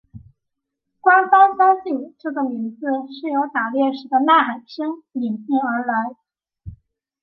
官方相信这个名字是由打猎时的呐喊声演变而来。